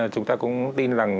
chúng ta cũng tin rằng